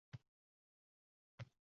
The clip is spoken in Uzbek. – Biz emas, sen topgansan.